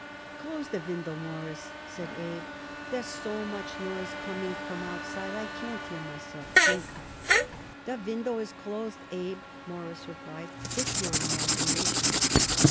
"Close the window, Mawruss," said Abe. "There's so much noise coming from outside I can't hear myself think." "The window is closed, Abe," Morris replied. "It's your imagination."